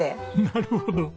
なるほど。